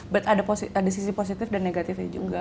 but ada sisi positif dan negatifnya juga